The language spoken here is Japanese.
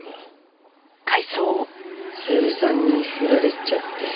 小百合さんにフラれちゃって。